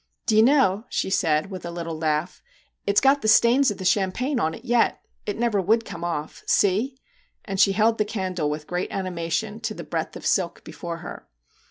Do you know/ she said, with a little laugh, 'it's got the stains of the champagne on it yet it never would come off. See!' and she held the candle with great animation to the breadth of silk before her.